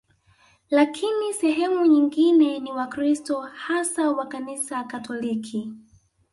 Lakini sehemu nyingine ni Wakristo hasa wa Kanisa Katoliki